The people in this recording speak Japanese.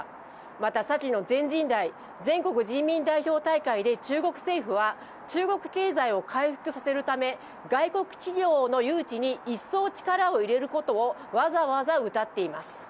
また、さきの全人代＝全国人民代表大会で中国政府は、中国経済を回復させるため、外国企業の誘致にいっそう力を入れることをわざわざうたっています。